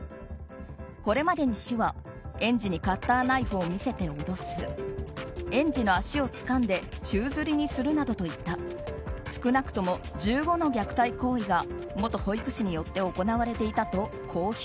これまでに市は、園児にカッターナイフを見せて脅す園児の足をつかんで宙づりにするなどといった少なくとも１５の虐待行為が元保育士によって行われていたと公表。